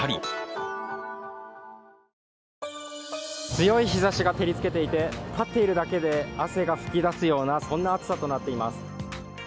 強い日ざしが照りつけていて立っているだけで汗が噴き出すようなそんな暑さとなっています。